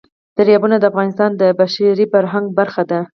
دریابونه د افغانستان د بشري فرهنګ برخه ده.